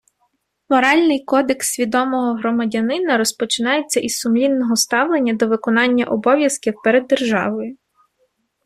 Моральний кодекс свідомого громадянина розпочинається із сумлінного ставлення до виконання обов'язків перед державою